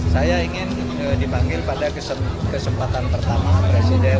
saya ingin dipanggil pada kesempatan pertama presiden